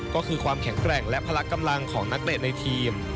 ก็คือความแข็งแกร่งและพละกำลังของนักเตะในทีม